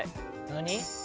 何？